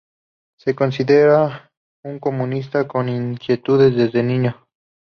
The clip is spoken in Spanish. Se considera un comunista con inquietudes desde niño.